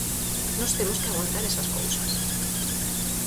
Nós temos que aguantar esas cousas.